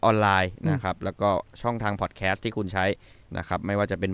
ออนไลน์นะครับแล้วก็ช่องทางที่คุณใช้นะครับไม่ว่าจะเป็น